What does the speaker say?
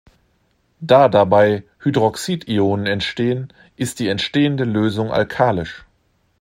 Da dabei Hydroxidionen entstehen, ist die entstehende Lösung alkalisch.